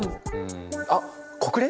あっ国連！？